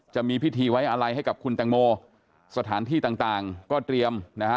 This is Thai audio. จะมีพิธีไว้อะไรให้กับคุณแตงโมสถานที่ต่างต่างก็เตรียมนะฮะ